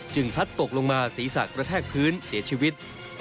พลัดตกลงมาศีรษะกระแทกพื้นเสียชีวิต